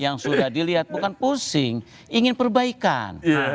yang sudah dilihat bukan pusing ingin perbaikan